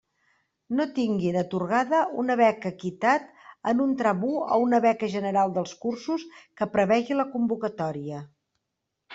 No tinguin atorgada una beca Equitat en un tram u o una beca general dels cursos que prevegi la convocatòria.